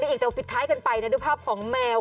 ในอีกเวลาผิดคล้ายกันไปด้วยภาพของแมว